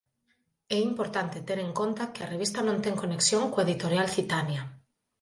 É importante ter en conta que a revista non ten conexión coa Editorial Citania.